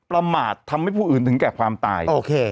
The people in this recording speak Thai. ประมาททำให้ผู้อื่นถึงแก่ความตายโอเค